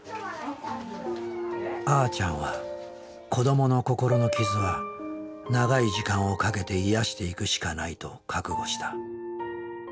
あーちゃんは子どもの心の傷は長い時間をかけて癒やしていくしかないと覚悟した。